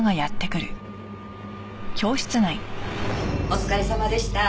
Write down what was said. お疲れさまでした。